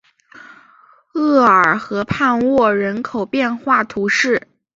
厄尔河畔沃人口变化图示